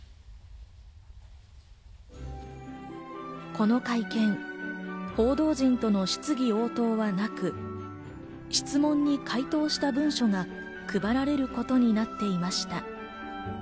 この会見、報道陣との質疑応答はなく、質問に回答した文書が配られることになっていました。